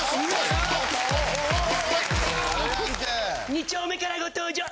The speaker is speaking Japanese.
二丁目からご登場。